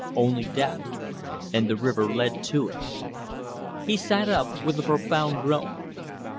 Only death. And the river led to it. He sat up with a profound groan.